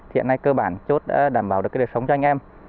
hiện nay cơ bản chốt đã đảm bảo được đời sống cho anh em